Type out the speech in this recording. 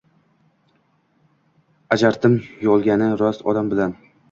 Ajratdim yolgonni rost odam bilan